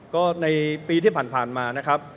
ก็ในปีที่ผ่านมานะครับ